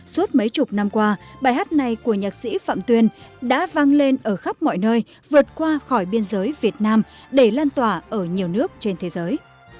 suốt mấy chục năm qua bài hát này của nhạc sĩ phạm tuyên đã vang lên ở khắp mọi nơi vượt qua khỏi biên giới việt nam để lan tỏa ở nhiều nước trên thế giới